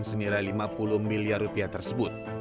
yang membeli uang senilai lima puluh miliar rupiah tersebut